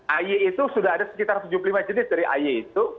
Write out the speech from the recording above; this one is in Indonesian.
ay itu sudah ada sekitar tujuh puluh lima jenis dari ay itu